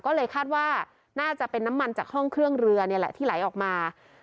ก็เลยคาดว่าน่าจะเป็นน้ำมันจากห้องเครื่องเรือนี่แหละที่ไหลออกมา